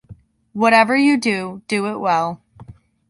Whatever you do, do it well.